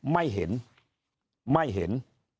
ไม่เห็นไม่เห็น